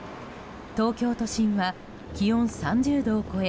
東京都心は気温３０度を超え